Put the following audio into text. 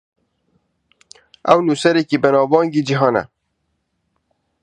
ئەو نووسەرێکی بەناوبانگی جیهانە.